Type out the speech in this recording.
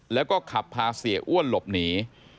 แล้วก็ขับพาเสียอ้วนหลบหนี